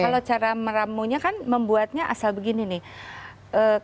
kalau cara meramunya kan membuatnya asal begini nih